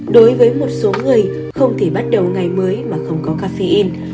đối với một số người không thể bắt đầu ngày mới mà không có cafein